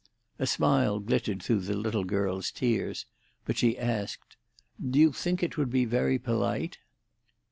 A smile glittered through the little girl's tears; but she asked, "Do you think it would be very polite?"